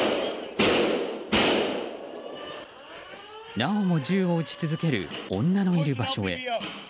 なおも銃を撃ち続ける女のいる場所へ。